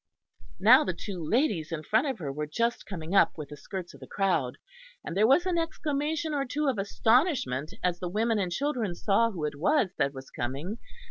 Now the two ladies in front of her were just coming up with the skirts of the crowd; and there was an exclamation or two of astonishment as the women and children saw who it was that was coming.